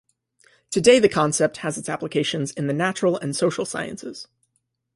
Today the concept has its applications in the natural and social sciences.